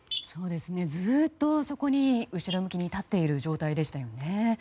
ずっとそこに後ろ向きで立っている状態でしたよね。